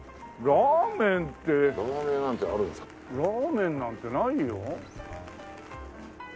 ラーメンなんてないよ？